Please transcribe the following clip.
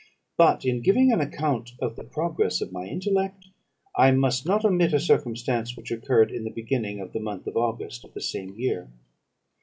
But, in giving an account of the progress of my intellect, I must not omit a circumstance which occurred in the beginning of the month of August of the same year.